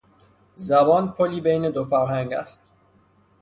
زبان پلی بین دو فرهنگ است.